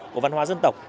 của văn hóa dân tộc